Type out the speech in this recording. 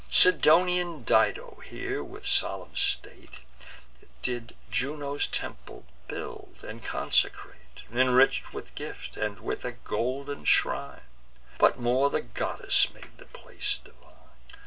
Sidonian Dido here with solemn state Did Juno's temple build, and consecrate, Enrich'd with gifts, and with a golden shrine; But more the goddess made the place divine.